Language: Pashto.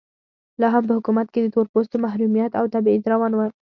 لا هم په حکومت کې د تور پوستو محرومیت او تبعیض روان و.